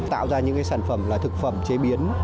tạo ra những sản phẩm là thực phẩm chế biến